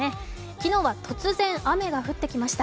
昨日は突然雨が降ってきました。